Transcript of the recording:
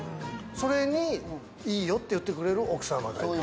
それにいいよって言ってくれる奥様がいて。